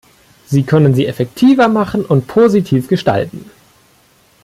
Sie können sie effektiver machen und positiv gestalten.